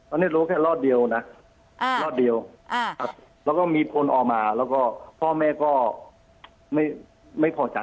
อันนี้รู้แค่รอดเดียวนะรอดเดียวแล้วก็มีคนออกมาแล้วก็พ่อแม่ก็ไม่พอใจ